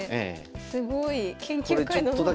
すごい。研究会のノート。